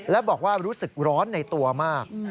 และบอกว่ารู้สึกร้อนในตัวมาก